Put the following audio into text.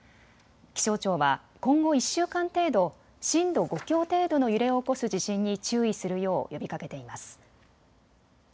気象庁は今後１週間程度、震度５強程度の揺れを起こす地震に注意するよう呼びかけています。